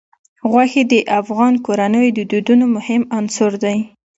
غوښې د افغان کورنیو د دودونو مهم عنصر دی.